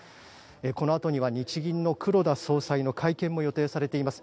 このあとには日銀の黒田総裁の会見も予定されています。